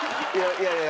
いやいや。